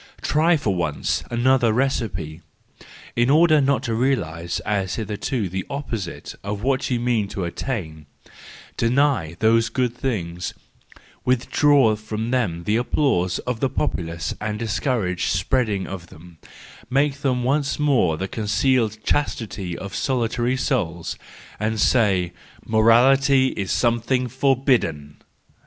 Try, just for once, another recipe, in order not to realise as hitherto the opposite of what you mean to attain: deny those good things, withdraw from them the applause of the populace and discourage the spread of them, make them once more the concealed chastities of solitary souls, say that morality is something for¬ bidden